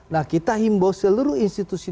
nah kita himbau seluruh institusi